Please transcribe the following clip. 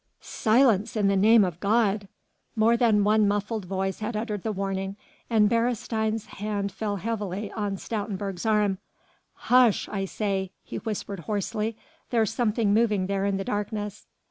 "Silence in the name of God!" More than one muffled voice had uttered the warning and Beresteyn's hand fell heavily on Stoutenburg's arm. "Hush, I say!" he whispered hoarsely, "there's something moving there in the darkness."